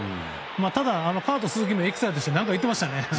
ただカート・スズキもエキサイトして何か言っていましたね。